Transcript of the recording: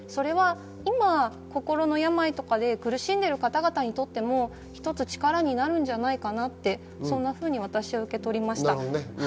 今、心の病とかで苦しんでいる方々にとっても一つ力になるんじゃないかなと私は受け取りました。